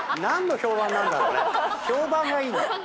評判がいいんだ。